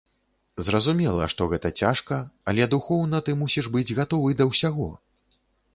Зразумела, што гэта цяжка, але духоўна ты мусіш быць гатовы да ўсяго.